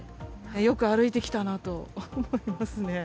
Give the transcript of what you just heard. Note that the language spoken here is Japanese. よく歩いてきたなと思いますね。